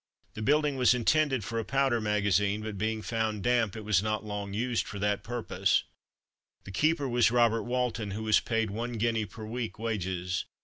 The building was intended for a powder magazine; but being found damp, it was not long used for that purpose. The keeper was Robert Walton, who was paid one guinea per week wages.